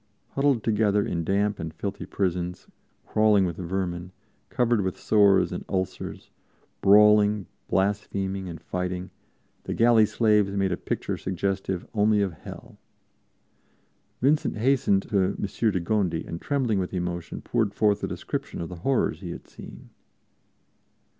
Huddled together in damp and filthy prisons, crawling with vermin, covered with sores and ulcers, brawling, blaspheming and fighting, the galley slaves made a picture suggestive only of Hell. Vincent hastened to M. de Gondi and, trembling with emotion, poured forth a description of the horrors he had seen.